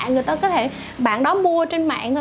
người ta có thể bạn đó mua trên mạng